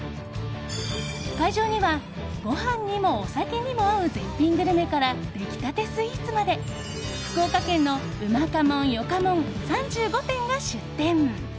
会場には、ご飯にもお酒にも合う絶品グルメから出来たてスイーツまで福岡県のうまかもん、よかもん３５店が出店。